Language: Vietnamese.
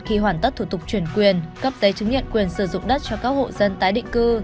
khi hoàn tất thủ tục chuyển quyền cấp giấy chứng nhận quyền sử dụng đất cho các hộ dân tái định cư